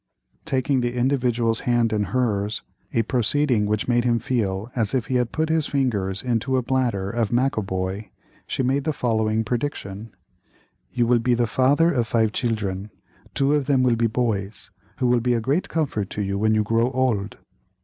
Taking the Individual's hand in hers, a proceeding which made him feel as if he had put his fingers into a bladder of Maccoboy, she made the following prediction: "You will be the father of five children, two of them will be boys, who will be a great comfort to you when you grow old."